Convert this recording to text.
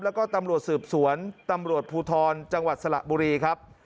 แล้วก็ตำลวดสืบสวนตำลวดพูทรจสระบุรีครับ